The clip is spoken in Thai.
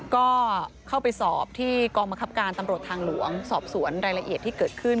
ก็เข้าไปสอบที่กองบังคับการตำรวจทางหลวงสอบสวนรายละเอียดที่เกิดขึ้น